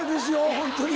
本当に。